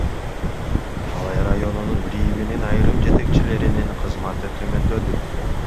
Алай районунун РИИБнин айрым жетекчилеринин кызматы төмөндөдү.